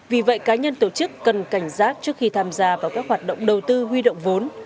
vì vậy cá nhân tổ chức cần cảnh giác trước khi tham gia vào các hoạt động đầu tư huy động vốn